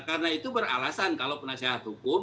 karena itu beralasan kalau penasehat hukum